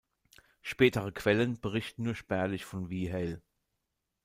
Spätere Quellen berichten nur spärlich von Wehale.